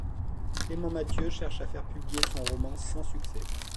Clément Mattieu cherche à faire publier son roman sans succès.